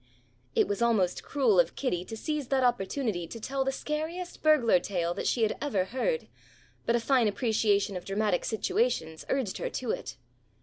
It was almost cruel of Kitty to seize that opportunity to tell the scariest burglar tale that she had ever heard, but a fine appreciation of dramatic situations urged her to it.